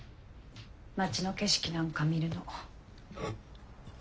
町の景色なんか見るの。